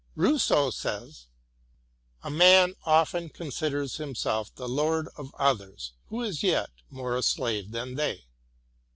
Rousseau says —" A man often considers himself the lord of others, who is yet more a slave than they."